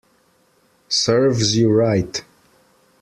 Serves you right